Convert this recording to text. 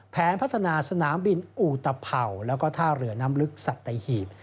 แผนพัฒนาสนามบินอุตเผ่าและถ้าเหลือน้ำลึกสัตว์ไตหีบ